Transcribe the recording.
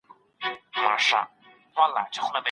که ډیجیټل کتاب وي نو پرمختګ نه دریږي.